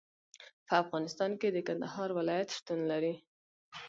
په افغانستان کې د کندهار ولایت شتون لري.